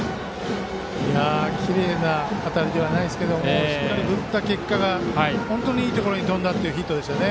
きれいな当たりではないですけどしっかり振った結果いいところに飛んだというヒットでした。